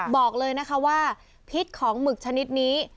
บอกเลยนะคะว่าพิษของหมึกชนิดนี้